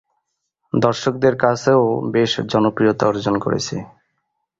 দর্শকদের কাছেও বেশ জনপ্রিয়তা অর্জন করেছে।